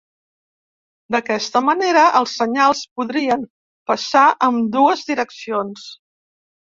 D'aquesta manera, els senyals podrien passar ambdues direccions.